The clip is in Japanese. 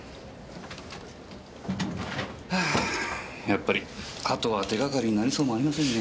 はぁやっぱり鳩は手がかりになりそうもありませんね。